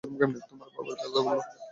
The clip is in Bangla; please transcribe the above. তোমার বাবার ব্যাপারে বলো?